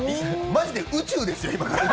マジで、宇宙ですよ、今から。